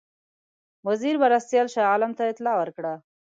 وزیر مرستیال شاه عالم ته اطلاع ورکړه.